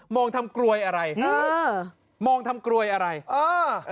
มองทำกลวยอะไรอ่ามองทำกลวยอะไรอ่า